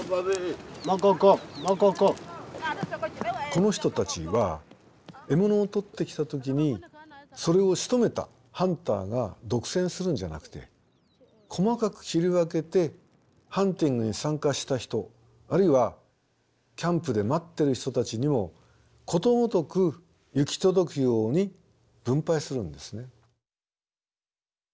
この人たちは獲物をとってきた時にそれをしとめたハンターが独占するんじゃなくて細かく切り分けてハンティングに参加した人あるいはキャンプで待ってる人たちにもことごとく行き届くように分配するんですね。